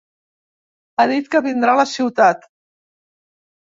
Ha dit que vindrà a la ciutat.